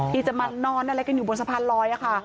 ที่จะมานอนอะไรกันอยู่บนสะพานลอยค่ะ